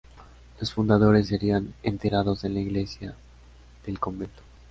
Los fundadores serían enterados en la iglesia del convento.